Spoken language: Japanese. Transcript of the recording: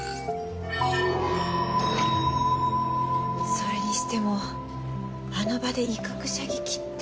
それにしてもあの場で威嚇射撃って。